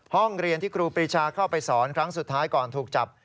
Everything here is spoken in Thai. ห้องเรียนที่ครูปรีชาเข้าไปสอนครั้งสุดท้ายก่อนถูกจับ